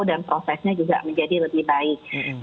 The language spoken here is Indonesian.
dan prosesnya juga menjadi lebih baik